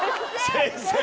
先生。